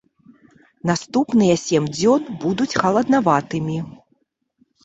Наступныя сем дзён будуць халаднаватымі.